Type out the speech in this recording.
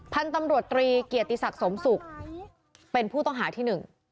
พันธุ์ตำรวจตรีเกียรติศักดิ์สมศุกร์เป็นผู้ต้องหาที่หนึ่ง